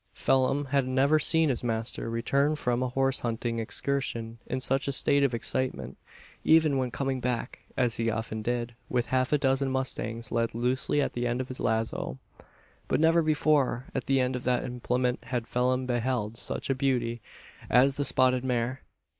Phelim had never seen his master return from a horse hunting excursion in such a state of excitement; even when coming back as he often did with half a dozen mustangs led loosely at the end of his lazo. But never before at the end of that implement had Phelim beheld such a beauty as the spotted mare.